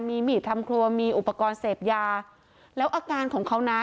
มีมีดทำครัวมีอุปกรณ์เสพยาแล้วอาการของเขานะ